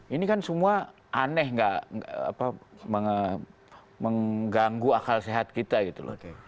ini kan semua aneh nggak mengganggu akal sehat kita gitu loh